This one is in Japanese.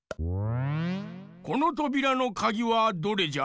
このとびらのかぎはどれじゃ？